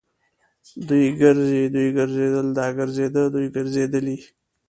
دی ګرځي. دوی ګرځيدل. دا ګرځيده. دوی ګرځېدلې.